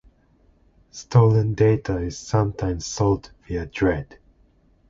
Stolen data is sometimes sold via Dread.